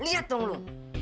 lihat dong lu